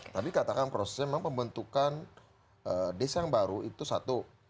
tadi katakan prosesnya memang pembentukan desa yang baru itu satu